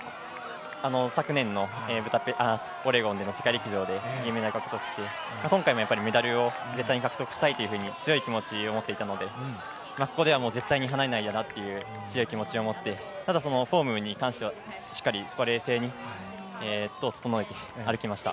昨年のオレゴンでの世界陸上で銀メダルを獲得して、今回もメダルを絶対に獲得したいと強い気持ちを持っていたのでここではもう絶対に離れないという強い気持ちを持って、ただフォームに関してはしっかり冷静に整えて歩きました。